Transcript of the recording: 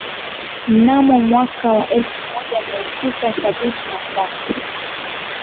Mnamo mwaka wa elfu moja mia tisa sabini na saba